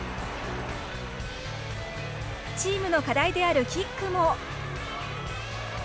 チームの課題であるキックも。